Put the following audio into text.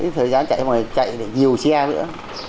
thời gian chạy chạy nhiều xe nữa